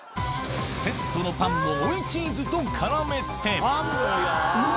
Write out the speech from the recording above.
セットのパンも追いチーズと絡めて！